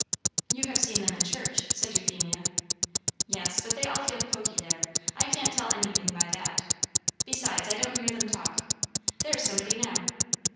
"You have seen them in church," said Euphemia. "Yes, but they all feel poky there. I can't tell anything by that. Besides, I don't hear them talk. There's somebody now!"